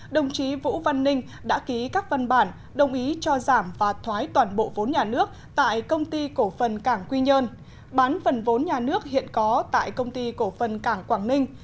đồng chí vũ văn ninh đã ký các văn bản đồng ý cho giảm và thoái toàn bộ vốn nhà nước tại công ty cổ phần cảng quy nhơn bán phần vốn nhà nước hiện có tại công ty cổ phần cảng quảng ninh